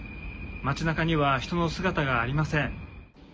街なかには人の姿がありません。